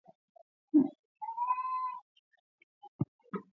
jumuiya ya nchi za magharibi mwa afrika ecowas